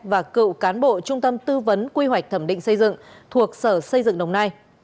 và cựu cán bộ trung tâm tư vấn quy hoạch thẩm định xây dựng thuộc sở xây dựng đồng nai